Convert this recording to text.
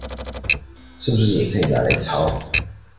是不是也可以拿來抄